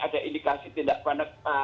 ada indikasi tindak panas